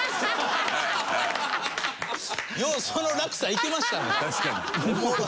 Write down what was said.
ようその落差いけましたね。